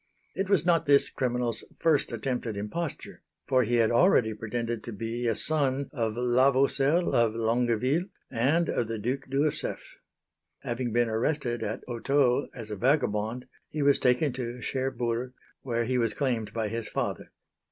It was not this criminal's first attempt at imposture, for he had already pretended to be a son of la Vaucelle of Longueville and of the Duc d'Ursef. Having been arrested at Hottot as a vagabond, he was taken to Cherburg, where he was claimed by his father.